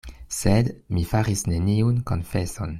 Sed mi faris neniun konfeson.